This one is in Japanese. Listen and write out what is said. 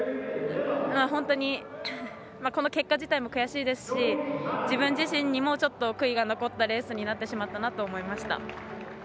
本当にこの結果自体も悔しいですし自分自身にも悔いが残ったレースになったなと思いました。